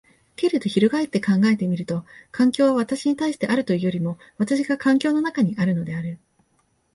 けれど翻って考えてみると、環境は私に対してあるというよりも私が環境の中にあるのである。